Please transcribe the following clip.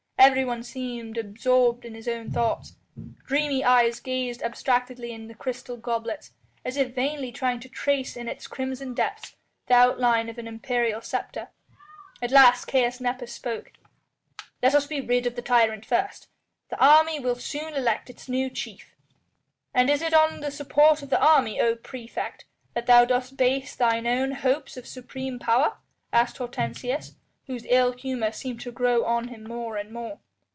Everyone seemed absorbed in his own thoughts. Dreamy eyes gazed abstractedly in crystal goblets, as if vainly trying to trace in its crimson depths the outline of an imperial sceptre. At last Caius Nepos spoke: "Let us be rid of the tyrant first. The army then will soon elect its new chief." "And is it on the support of the army, O praefect! that thou dost base thine own hopes of supreme power?" asked Hortensius, whose ill humour seemed to grow on him more and more.